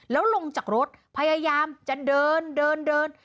แล้วลงจากรถพยายามจะเดิน